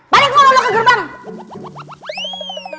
balik mau lolo ke gerbang